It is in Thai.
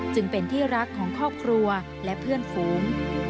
จึงเป็นที่รักของครอบครัวและเพื่อนฝูง